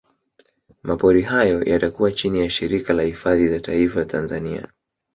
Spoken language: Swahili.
Mapori hayo yatakuwa chini ya Shirika la Hifadhi za Taifa Tanzania